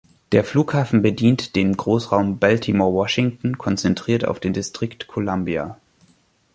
Der Flughafen bedient den Großraum Baltimore-Washington, konzentriert auf den Distrikt Columbia.